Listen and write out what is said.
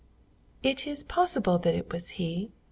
"It is possible that it was he.